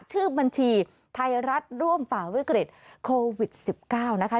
ชื่อบัญชีไทยรัฐร่วมฝ่าวิกฤตโควิด๑๙นะคะ